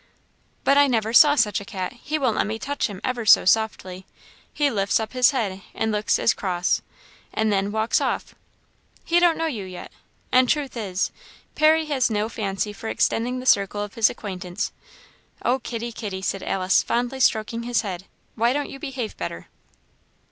"But I never saw such a cat! he won't let me touch him ever so softly; he lifts up his head and looks as cross; and then walks off." "He don't know you yet, and truth is, Parry has no fancy for extending the circle of his acquaintance. Oh, kitty, kitty!" said Alice, fondly stroking his head, "why don't you behave better?"